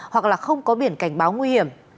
hoặc không có biển cảnh báo nguy hiểm